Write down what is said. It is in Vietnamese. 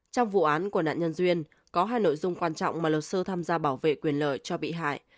trong vụ án của nạn nhân duyên có hai nội dung quan trọng mà luật sư tham gia bảo vệ quyền lợi cho bị hại